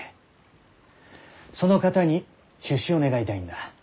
その方に出資を願いたいんだ。